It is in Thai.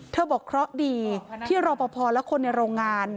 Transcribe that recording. บอกเคราะห์ดีที่รอปภและคนในโรงงาน